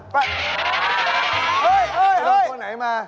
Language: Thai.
ไปโดนตัวไหนมา